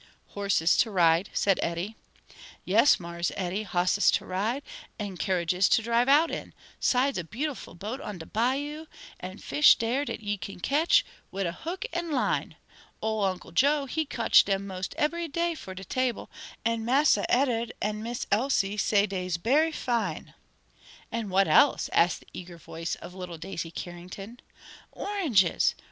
"Horses to ride," said Eddie. "Yes, Mars Eddie, hosses to ride, an' kerridges to drive out in; 'sides a beautiful boat on de bayou, an' fish dere dat you kin ketch wid a hook an' line. Ole Uncle Joe he kotch dem mos' ebery day for de table, an Massa Ed'ard an' Miss Elsie say dey's bery fine." "And what else?" asked the eager voice of little Daisy Carrington. "Oranges!